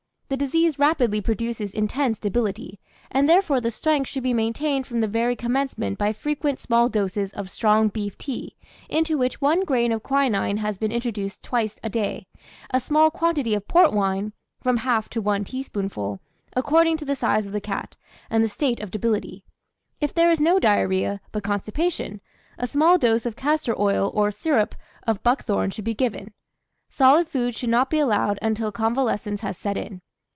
The disease rapidly produces intense debility, and therefore the strength should be maintained from the very commencement by frequent small doses of strong beef tea, into which one grain of quinine has been introduced twice a day, a small quantity of port wine (from half to one teaspoonful) according to the size of the cat, and the state of debility. If there is no diarrhoea, but constipation, a small dose of castor oil or syrup of buckthorn should be given. Solid food should not be allowed until convalescence has set in.